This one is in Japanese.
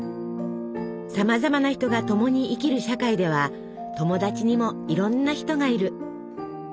さまざまな人が共に生きる社会では友達にもいろんな人がいる。